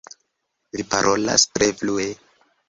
Vi parolas tre flue.